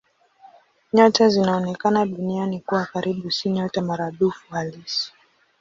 Nyota zinazoonekana Duniani kuwa karibu si nyota maradufu halisi.